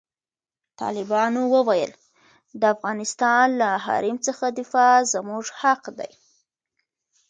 طالبانو وویل، د افغانستان له حریم څخه دفاع زموږ حق دی.